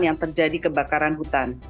yang terjadi kebakaran hutan